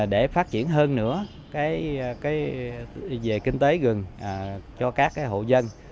để phát triển hơn nữa về kinh tế rừng cho các hộ dân